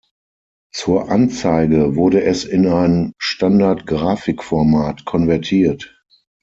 Zur Anzeige wurde es in ein Standard-Grafikformat konvertiert.